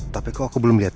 tapi kok aku belum liat dia